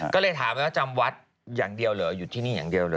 ก็เลยถามเหลือธรรมวัฒน์อยู่ที่นี่อย่างเดียว